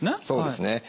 そうですね。